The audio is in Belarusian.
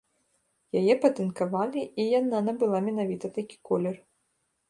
Яе патынкавалі, і яна набыла менавіта такі колер.